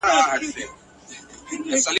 نوم یې ولي لا اشرف المخلوقات دی؟ !.